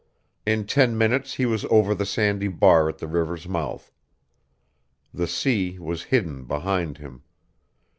In ten minutes he was over the sandy bar at the river's mouth. The sea was hidden behind him.